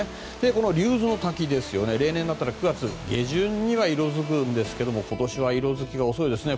この竜頭ノ滝例年なら９月下旬に色づくんですけれども今年は色づきが遅いですね。